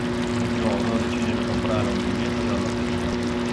Un giorno decide di comprare un biglietto della lotteria.